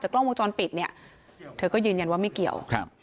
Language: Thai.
แต่ที่ภาพจากกล้องวงจรปิดเนี่ยเธอก็ยืนยันว่าไม่เกี่ยว